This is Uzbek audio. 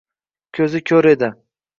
Ko’zi ko’r edi